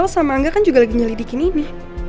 sama angga kan juga lagi nyelidikin ini